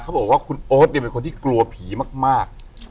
เขาบอกว่าคุณโอ๊ตเนี่ยเป็นคนที่กลัวผีมาก